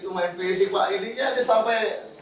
itu main visi pak ini ya ada sampai